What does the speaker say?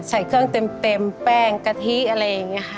ใส่เครื่องเต็มแป้งกะทิอะไรอย่างนี้ค่ะ